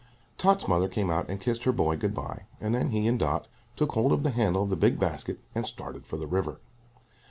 Tot's mother came out and kissed her boy good bye, and then he and Dot took hold of the handle of the big basket and started for the river.